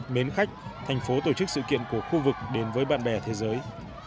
mến khách thành phố tổ chức sự kiện của khu vực đến với bạn bè thế giới